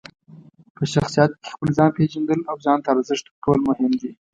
په شخصیت کې خپل ځان پېژندل او ځان ته ارزښت ورکول مهم دي.